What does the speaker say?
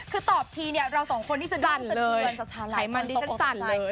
คือตอบทีเนี่ยเราสองคนที่สัดสั่นเลยไขมันที่สัดสั่นเลย